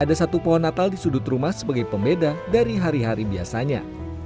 ada satu pohon natal di sudut rumah sebagai pembeda dari hari hari biasanya